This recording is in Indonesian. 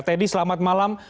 teddy selamat malam